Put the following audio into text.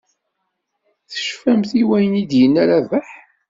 Tecfamt i wayen i d-yenna Rabaḥ?